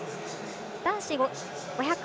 男子５０００